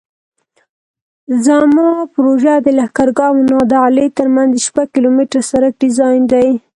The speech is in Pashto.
زما پروژه د لښکرګاه او نادعلي ترمنځ د شپږ کیلومتره سرک ډیزاین دی